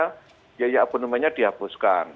biaya abonemannya dihapuskan